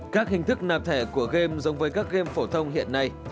các hình thức nạp thẻ của game giống với các game phổ thông hiện nay